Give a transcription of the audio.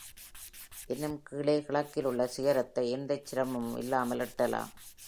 இன்னும் கீழே, கிழக்கில் உள்ள சிகரத்தை எந்தச் சிரமமும் இல்லாமல் எட்டலாம்.